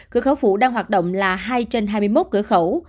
cửa khẩu phụ đang hoạt động là hai trên hai mươi một cửa khẩu